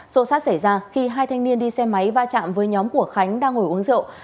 xô sát xảy ra khi hai thanh niên đi xe máy va chạm với nhóm của khánh đang ngồi uống rượu